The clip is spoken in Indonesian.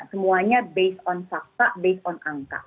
semuanya berdasarkan fakta berdasarkan angka